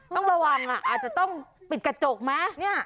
ต้องระวังอาจจะต้องปิดกระจกไหม